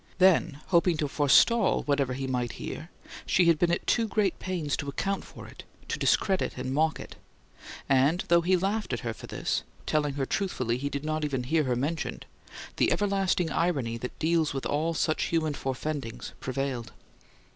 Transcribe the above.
Then, hoping to forestall whatever he might hear, she had been at too great pains to account for it, to discredit and mock it; and, though he laughed at her for this, telling her truthfully he did not even hear her mentioned, the everlasting irony that deals with all such human forefendings prevailed.